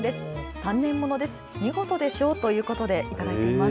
３年ものです。